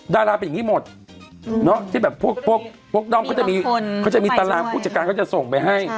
ดาราเป็นอย่างนี้หมดที่แบบพวกด้อมเขาจะมีเขาจะมีตารางผู้จัดการเขาจะส่งไปให้